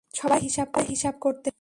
সবার হিসাব করতে হবে।